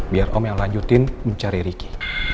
biar om yang lanjutin mencari ricky